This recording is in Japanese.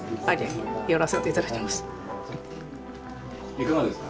いかがですか？